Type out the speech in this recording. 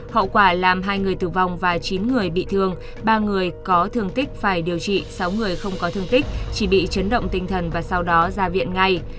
hậu quả làm hai người tử vong và chín người bị thương ba người có thương tích phải điều trị sáu người không có thương tích chỉ bị chấn động tinh thần và sau đó ra viện ngay